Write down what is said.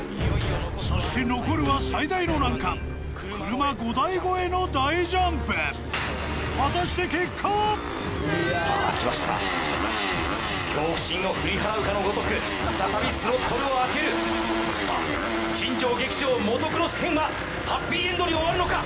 そして残るは最大の難関車５台越えの大ジャンプさあきました恐怖心を振り払うかのごとく再びスロットルを開けるさあ新庄劇場モトクロス編がハッピーエンドに終わるのか